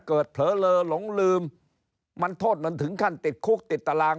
เผลอเลอหลงลืมมันโทษมันถึงขั้นติดคุกติดตาราง